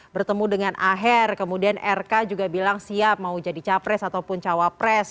bertemu dengan aher kemudian rk juga bilang siap mau jadi capres ataupun cawapres